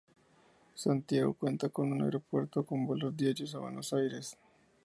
Santiago cuenta con un aeropuerto con vuelos diarios a Buenos Aires.